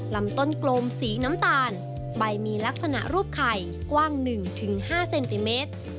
ลำต้นกลมสีน้ำตาลใบมีลักษณะรูปไข่กว้าง๑๕เซนติเมตร